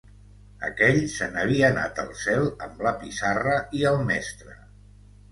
Aquell se'n havia anat al cel, am la pissarra i el mestre